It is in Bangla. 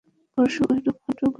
পশুরা ঐরূপে হাঁটু গাড়িয়া বসিবে।